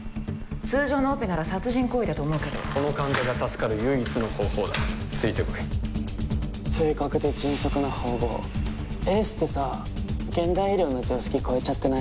通常のオペなら殺人行為だと思うけどこの患者が助かる唯一の方法だついてこい正確で迅速な縫合エースってさ現代医療の常識超えちゃってない？